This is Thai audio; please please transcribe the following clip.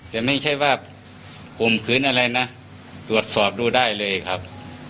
คนนี้แค่ว่ามห่วงคริทนอะไรนะตรวจสอบดูได้เลยครับ